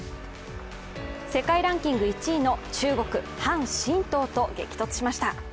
世界ランキング１位の中国、樊振東と激突しました。